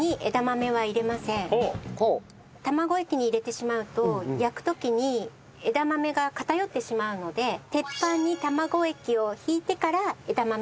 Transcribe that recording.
卵液に入れてしまうと焼く時に枝豆が偏ってしまうので鉄板に卵液を引いてから枝豆を散らします。